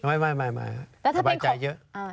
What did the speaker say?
ไม่สบายใจเยอะ